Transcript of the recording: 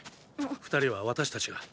二人は私たちが。